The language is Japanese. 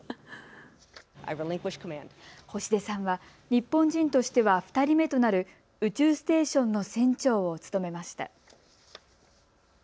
星出さんは日本人としては２人目となる宇宙ステーションの船長を務めました。